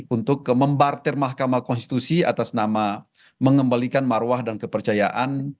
untuk membartir mahkamah konstitusi atas nama mengembalikan marwah dan kepercayaan